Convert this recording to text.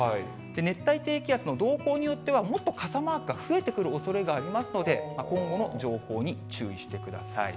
熱帯低気圧の動向によってはもっと傘マークが増えてくるおそれがありますので、今後の情報に注意してください。